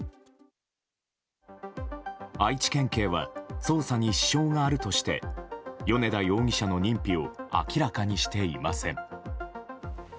愛知県警は捜査に支障があるとして米田容疑者の認否を明らかにしていません。